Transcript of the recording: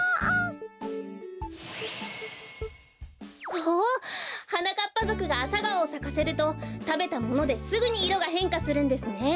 おおはなかっぱぞくがアサガオをさかせるとたべたものですぐにいろがへんかするんですね。